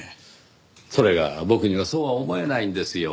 それが僕にはそうは思えないんですよ。